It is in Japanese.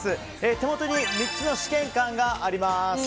手元に３つの試験管があります。